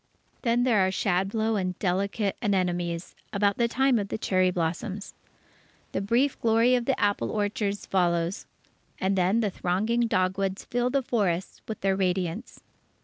Then there are shadblow and delicate anemones about the time of the cherry blossoms. The brief glory of the apple orchards follows. And then the thronging dogwoods fill the forests with their radiance.